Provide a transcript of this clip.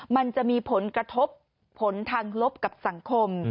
มันจะมีผลกระทบผลทางลบกับสังคม